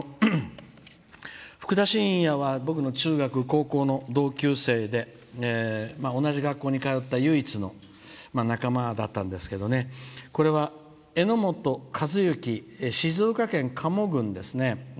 ふくだしんやは僕の中学、高校の同級生で同じ学校に通った唯一の仲間だったんですけどこれは、えのもとかずゆき静岡県賀茂郡ですね。